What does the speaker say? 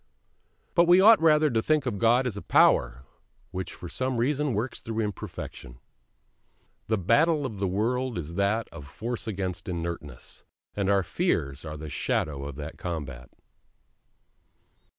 But we ought rather to think of God as a Power which for some reason works through imperfection. The battle of the world is that of force against inertness: and our fears are the shadow of that combat.